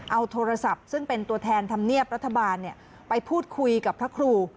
เอาโทรศัพท์ซึ่งเป็นตัวแทนธรรมเนียบรัฐบาลไปพูดคุยกับพระครู